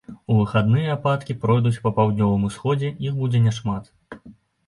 У выхадныя ападкі пройдуць па паўднёвым усходзе, іх будзе няшмат.